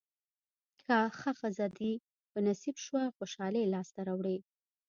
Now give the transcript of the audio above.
که ښه ښځه دې په نصیب شوه خوشالۍ لاسته راوړې.